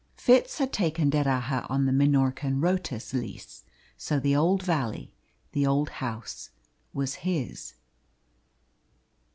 Fitz had taken D'Erraha on the Minorcan rotas lease, so the old valley, the old house, was his.